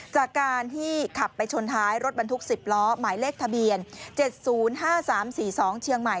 จากการที่ขับไปชนท้ายรถบรรทุก๑๐ล้อหมายเลขทะเบียน๗๐๕๓๔๒เชียงใหม่